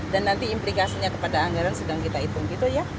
dan nanti implikasinya kepada anggaran sedang kita hitung